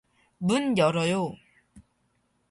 문 열어요!